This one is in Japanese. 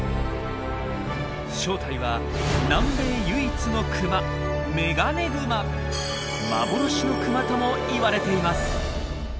正体は南米唯一のクマ「幻のクマ」とも言われています。